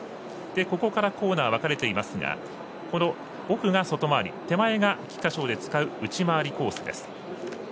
ここからコーナー分かれていますが奥が外回り手前が、菊花賞で使う内回りコースです。